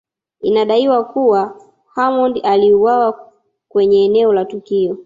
Inadaiwa kuwa Hamoud aliuawa kwenye eneo la tukio